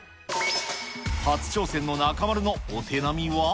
初挑戦の中丸のお手並みは？